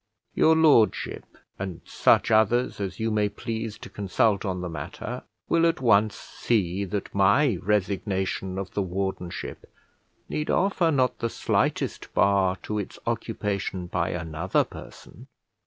Your Lordship, and such others as you may please to consult on the matter, will at once see that my resignation of the wardenship need offer not the slightest bar to its occupation by another person.